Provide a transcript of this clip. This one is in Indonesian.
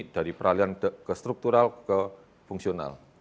dari peralihan ke struktural ke fungsional